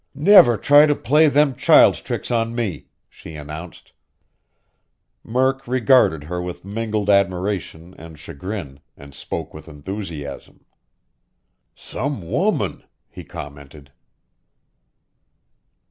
"Never try to play them child's tricks on me!" she announced. Murk regarded her with mingled admiration and chagrin, and spoke with enthusiasm. "Some woman!" he commented.